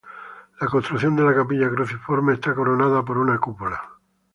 La construcción de la capilla cruciforme está coronada por una cúpula.